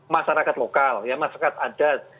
masyarakat lokal ya masyarakat adat